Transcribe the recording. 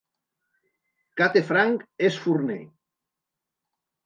Kate Frank és forner!